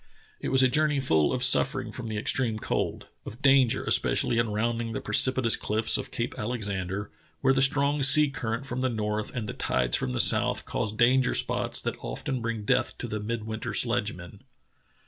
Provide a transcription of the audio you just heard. It was a journey full of suffering from the extreme cold, of danger especially in rounding the precipitous cliffs of Cape Alexander, where the strong sea current from the north and the tides from the south cause danger The Angekok Kalutunah 133 spots that often bring death to the midwinter sledge men.